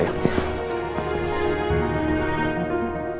sampai ketemu lagi